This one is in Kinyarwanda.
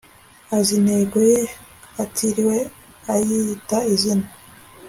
Azi intego ye atiriwe ayita izina